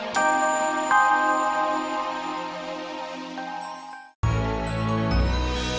sampai jumpa lagi